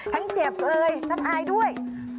ทั้งเจ็บเลยทั้งอายด้วย